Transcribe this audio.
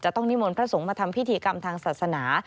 ต้องนิมนต์พระสงฆ์มาทำพิธีกรรมทางศาสนา